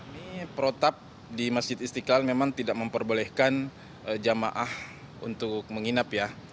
ini protap di masjid istiqlal memang tidak memperbolehkan jamaah untuk menginap ya